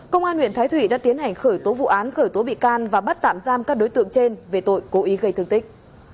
công an huyện thái thụy đã tiến hành khởi tố vụ án khởi tố bị can và bắt tạm giam các đối tượng trên về tội cố ý gây thương tích